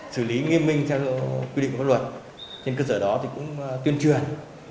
xử lý nghiêm minh theo quy định của luật trên cơ sở đó tuyên truyền